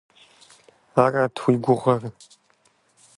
Арат уи гугъэр?